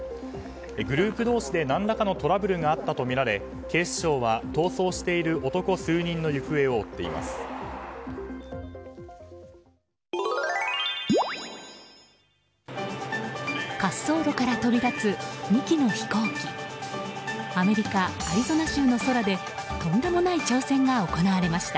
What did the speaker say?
グループ同士で何らかのトラブルがあったとみられ警視庁は逃走している男数人の行方を追っています。